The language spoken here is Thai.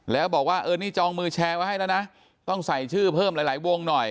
แล้วบอกว่าเออนี่จองมือแชร์ไว้ให้แล้วนะต้องใส่ชื่อเพิ่มหลายวงหน่อย